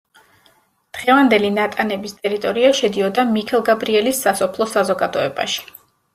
დღევანდელი ნატანების ტერიტორია შედიოდა მიქელგაბრიელის სასოფლო საზოგადოებაში.